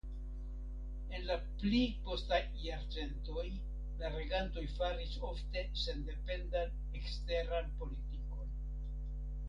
En la pli postaj jarcentoj la regantoj faris ofte sendependan eksteran politikon.